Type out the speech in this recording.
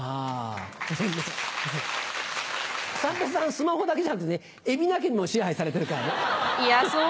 スマホだけじゃなくて海老名家にも支配されてるからね。